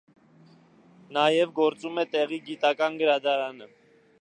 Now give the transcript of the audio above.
Նաև գործում է տեղի գիտական գրադարանը։